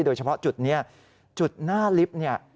โดยเฉพาะจุดนี้จุดหน้าลิฟต์เนี่ย